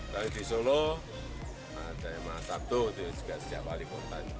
kalau di solo ada yang mah sabtu itu juga sejak wali kota